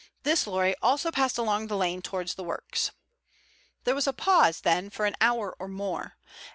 This lorry also passed along the lane towards the works. "There was a pause then for an hour or more.